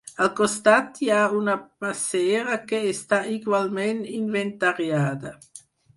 Al costat hi ha una passera que està igualment inventariada.